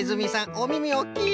おみみおっきい。